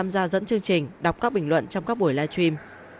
ra dẫn chương trình đọc các bình luận trong các buổi live stream